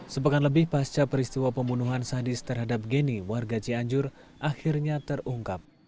sepekan lebih pasca peristiwa pembunuhan sadis terhadap geni warga cianjur akhirnya terungkap